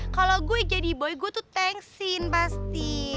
kalau gue jadi boy gue tuh thanks in pasti